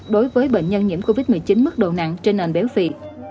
đối với bệnh nhân nhiễm covid một mươi chín mức độ nặng trên nền béo phì